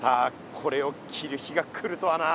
これを着る日が来るとはな。